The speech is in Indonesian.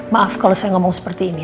maaf kalau saya ngomong seperti ini